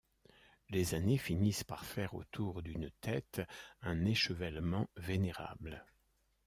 Les années finissent par faire autour d’une tête un échevellement vénérable.